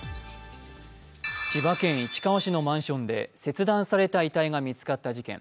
千葉県市川市のマンションで切断された遺体が見つかった事件。